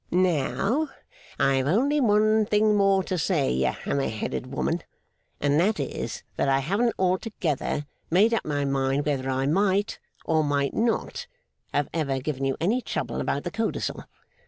Now, I have only one thing more to say, you hammer headed woman, and that is, that I haven't altogether made up my mind whether I might, or might not, have ever given you any trouble about the codicil.